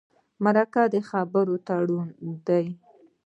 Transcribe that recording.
مرکه د خبرو تړون دی.